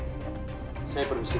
terima kasih pak